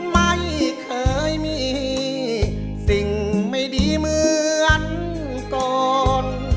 ไม่เคยมีสิ่งไม่ดีเหมือนก่อน